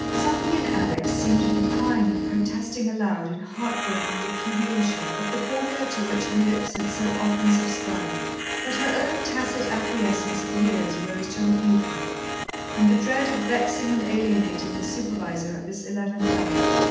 Something in Alex seemed to be crying and protesting aloud in heart broken repudiation of the formula to which her lips had so often subscribed, but her own tacit acquiescence of years rose to rebuke her, and the dread of vexing and alienating the Supervisor at this eleventh hour.